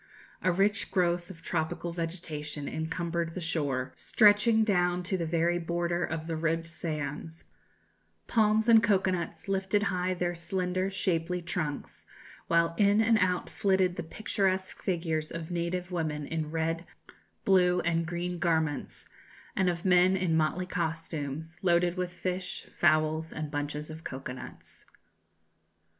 A rich growth of tropical vegetation encumbered the shore, stretching down to the very border of the ribbed sands; palms and cocoa nuts lifted high their slender, shapely trunks; while in and out flitted the picturesque figures of native women in red, blue, and green garments, and of men in motley costumes, loaded with fish, fowls, and bunches of cocoa nuts.